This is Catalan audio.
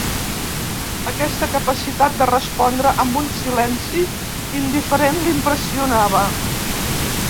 Aquesta capacitat de respondre amb un silenci indiferent l'impressionava.